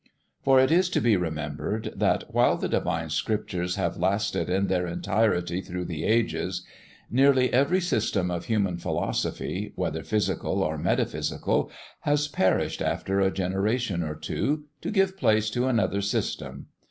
For it is to be remembered that, while the divine Scriptures have lasted in their entirety through the ages, nearly every system of human philosophy whether physical or metaphysical has perished after a generation or two, to give place to another system.